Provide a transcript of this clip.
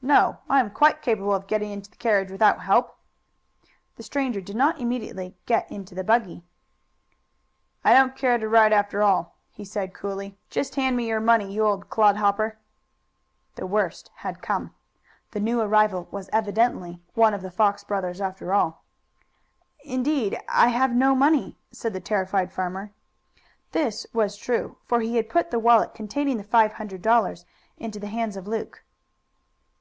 "No; I am quite capable of getting into the carriage without help." The stranger did not immediately get into the buggy. "I don't care to ride, after all," he said coolly. "Just hand me your money, you old clodhopper." The worst had come. The new arrival was evidently one of the Fox brothers, after all. "Indeed I have no money," said the terrified farmer. This was true, for he had put the wallet containing the five hundred dollars into the hands of Luke.